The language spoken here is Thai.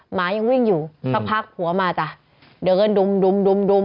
หมายังวิ่งอยู่สักพักผัวมาจ้ะเดินดุมดุมดุมดุม